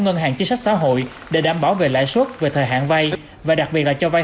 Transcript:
ngân hàng chính sách xã hội để đảm bảo về lãi suất về thời hạn vay và đặc biệt là cho vay